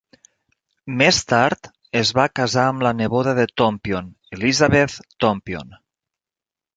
Més tard es va casar amb la neboda de Tompion, Elizabeth Tompion.